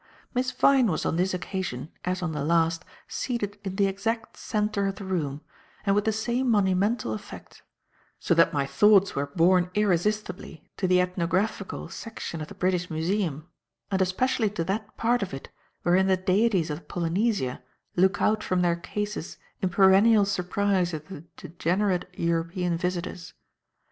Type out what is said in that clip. Miss Vyne was on this occasion, as on the last, seated in the exact centre of the room, and with the same monumental effect; so that my thoughts were borne irresistibly to the ethnographical section of the British Museum, and especially to that part of it wherein the deities of Polynesia look out from their cases in perennial surprise at the degenerate European visitors.